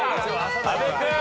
阿部君。